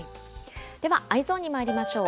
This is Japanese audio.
ではＥｙｅｓｏｎに参りましょう。